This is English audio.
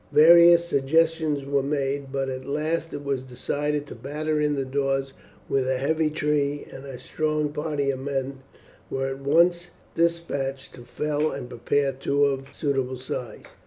Various suggestions were made, but at last it was decided to batter in the doors with a heavy tree, and a strong party of men were at once despatched to fell and prepare two of suitable size.